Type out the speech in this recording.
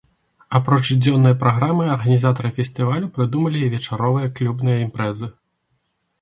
Апроч дзённай праграмы, арганізатары фестывалю прыдумалі і вечаровыя клубныя імпрэзы.